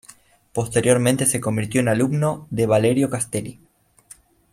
Posteriormente se convirtió en alumno de Valerio Castelli.